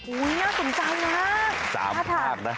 โอ๊ยน่าสนใจมากถ้าถาม๓ภาพนะ